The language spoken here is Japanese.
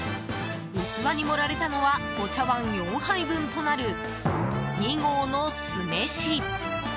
器に盛られたのはお茶碗４杯分となる２合の酢飯。